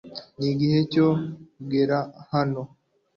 Nigihe cyo kugera hano .